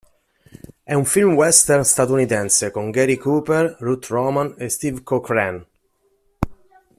È un film western statunitense con Gary Cooper, Ruth Roman e Steve Cochran.